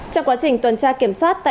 trong quá trình tuần tra kiểm soát tại tp hcm